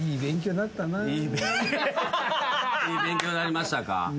いい勉強になりましたか。